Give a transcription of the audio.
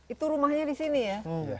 itu rumahnya di sini ya